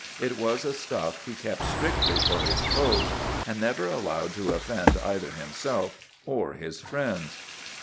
It was a stuff he kept strictly for his foes, and never allowed to offend either himself or his friends.